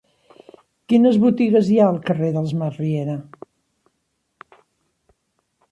Quines botigues hi ha al carrer dels Masriera?